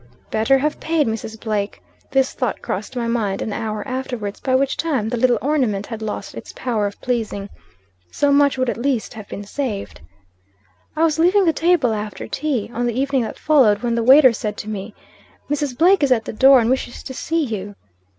"'Better have paid Mrs. Blake.' This thought crossed my mind, an hour afterwards, by which time, the little ornament had lost its power of pleasing. 'So much would at least have been saved.' "I was leaving the table, after tea, on the evening that followed, when the waiter said to me "'Mrs. Blake is at the door, and wishes to see you.'